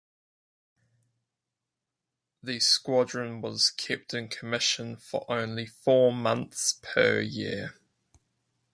The squadron was kept in commission for only four months per year.